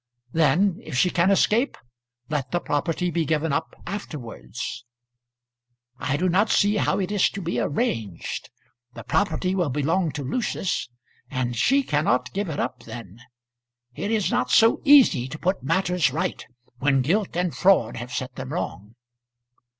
"Then if she can escape, let the property be given up afterwards." "I do not see how it is to be arranged. The property will belong to Lucius, and she cannot give it up then. It is not so easy to put matters right when guilt and fraud have set them wrong."